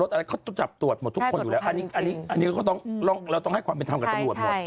อะไรเขาจับตรวจหมดทุกคนอยู่แล้วอันนี้ก็ต้องเราต้องให้ความเป็นธรรมกับตำรวจหมด